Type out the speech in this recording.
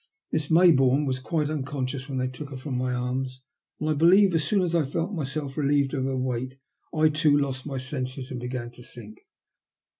Miss Mayboume was quite unconscious when they took her from my arms, and I believe as soon as I felt myself relieved of her weight I too lost my senses and began to sink.